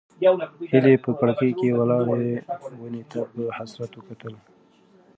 هیلې په کړکۍ کې ولاړې ونې ته په حسرت وکتل.